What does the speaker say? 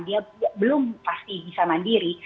dia belum pasti bisa mandiri